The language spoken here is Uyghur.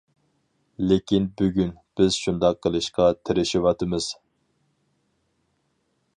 لېكىن بۈگۈن، بىز شۇنداق قىلىشقا تىرىشىۋاتىمىز.